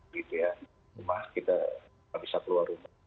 kita tidak bisa keluar rumah